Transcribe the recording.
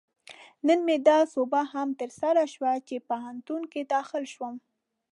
نن مې دا سوبه هم ترسره شوه، چې پوهنتون کې داخل شوم